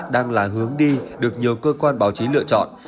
đang là hướng đi được nhiều cơ quan báo chí lựa chọn